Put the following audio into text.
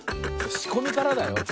しこみからだよ。